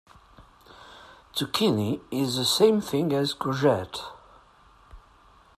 Zucchini is the same thing as courgette